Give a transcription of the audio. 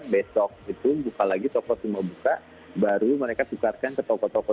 besok itu buka lagi toko semua buka baru mereka tukarkan ke toko toko